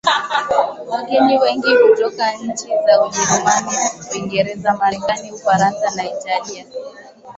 Wageni wengi hutoka nchi za Ujerumani Uingereza Marekani Ufaransa na Italia